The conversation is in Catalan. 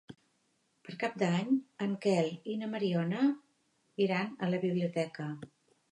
Per Cap d'Any en Quel i na Mariona iran a la biblioteca.